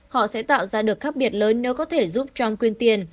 họ sẽ tạo ra được khác biệt lớn nếu có thể giúp chong quyên tiền